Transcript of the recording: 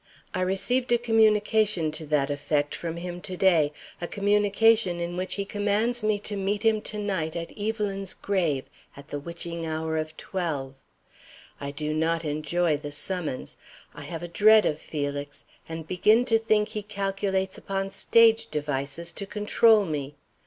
I received a communication to that effect from him to day; a communication in which he commands me to meet him to night, at Evelyn's grave, at the witching hour of twelve. I do not enjoy the summons. I have a dread of Felix, and begin to think he calculates upon stage devices to control me.